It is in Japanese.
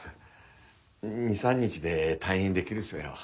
２３日で退院できるそうやわ。